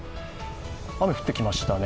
雨降ってきましたね